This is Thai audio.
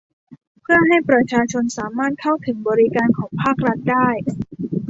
เพื่อให้ประชาชนสามารถเข้าถึงบริการของภาครัฐได้